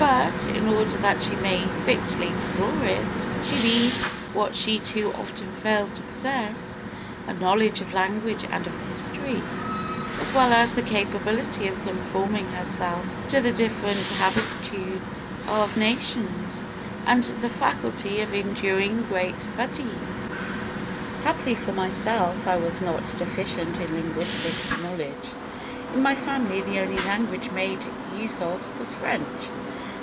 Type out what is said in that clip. But, in order that she may fitly explore it, she needs, what she too often fails to possess, a knowledge of languages and of history, as well as the capability of conforming herself to the different habitudes of nations, and the faculty of enduring great fatigues. "Happily for myself, I was not deficient in linguistic knowledge. In my family the only language made use of was French.